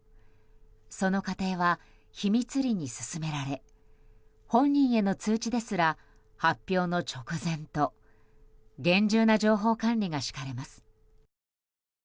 その過程は秘密裏に進められ本人への通知ですら発表の直前と厳重な情報管理が敷かれます。